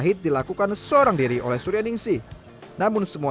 betul khusus disini aja